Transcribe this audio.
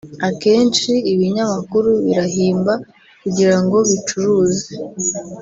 akenshi ibinyamakuru birahimba kugirango bicuruze